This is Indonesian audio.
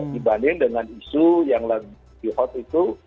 dibanding dengan isu yang lebih hot itu